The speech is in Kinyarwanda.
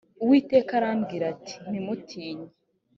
uwiteka arambwira ati ntumutinye